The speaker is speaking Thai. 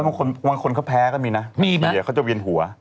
ไม่หน่อยคนเขาแพ้ก็มีนะมีไงเขาจะเวียนหัว